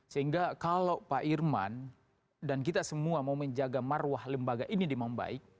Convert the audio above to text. sehingga kalau pak irman dan kita semua mau menjaga marwah lembaga ini dimam baik